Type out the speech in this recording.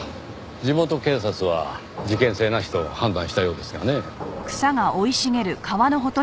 地元警察は事件性なしと判断したようですがね。